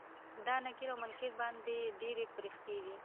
دا نکير او منکر په باندې ډيرې پريښتې دي